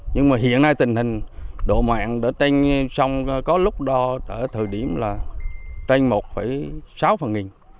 nhưng mà hiện nay tình hình độ mạng đã tranh xong có lúc đo ở thời điểm là tranh một sáu phần nghìn